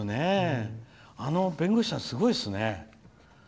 あの弁護士さんすごいですね。